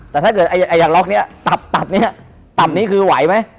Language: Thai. แต่ถ้าเกิดไอ้ล็อกตับนี้ตับนี้คือไหวไหม